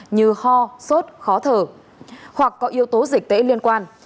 như ho sốt khó thở hoặc có yếu tố dịch tễ liên quan